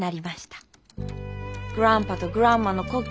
グランパとグランマの故郷